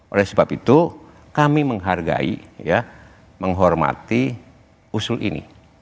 oleh sebab itu kami menghargai ya menghormati usul ini